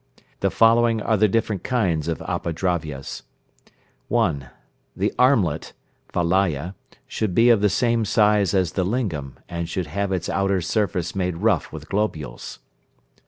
The following are the different kinds of Apadravyas. (1). "The armlet" (Valaya) should be of the same size as the lingam, and should have its outer surface made rough with globules.